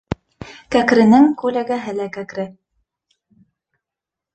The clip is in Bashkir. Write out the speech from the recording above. Кәкренең күләгәһе лә кәкре.